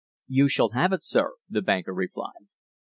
"You shall have it, Sir," the banker replied.